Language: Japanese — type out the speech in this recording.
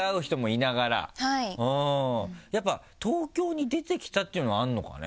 やっぱ東京に出てきたっていうのはあるのかね？